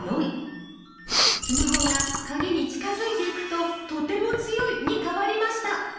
スマホがカギに近づいていくと「とても強い」に変わりました。